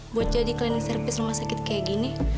buat jadi cleaning service rumah sakit kayak gini